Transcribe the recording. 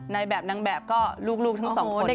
ในแบบนางแบบก็ลูกทั้งสองคนนี้ละค่ะ